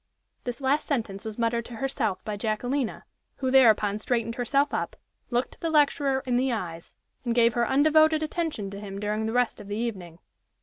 This last sentence was muttered to herself by Jacquelina, who thereupon straightened herself up looked the lecturer in the eyes and gave her undevoted attention to him during the rest of the evening.